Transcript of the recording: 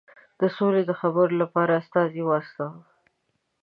د سولي د خبرو لپاره استازی واستاوه.